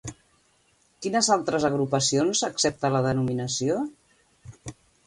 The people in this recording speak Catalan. Quines altres agrupacions accepta la denominació?